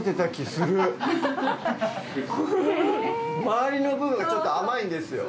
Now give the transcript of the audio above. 回りの部分がちょっと甘いんですよ。